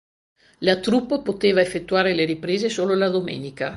La troupe poteva effettuare le riprese solo la domenica.